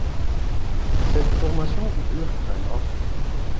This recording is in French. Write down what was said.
Cette formation dure un an.